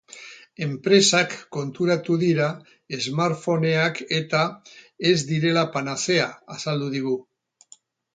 Enpresak konturatu dira smartphoneak-eta ez direla panazea, azaldu digu.